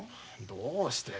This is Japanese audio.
どうして？